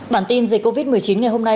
bản tin dịch covid một mươi chín ngày hôm nay